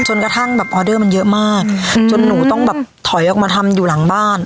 กระทั่งแบบออเดอร์มันเยอะมากจนหนูต้องแบบถอยออกมาทำอยู่หลังบ้าน